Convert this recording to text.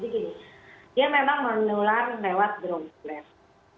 jadi gini dia memang menular lewat droplet